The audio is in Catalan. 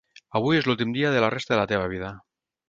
Avui és l"últim dia de la resta de la teva vida.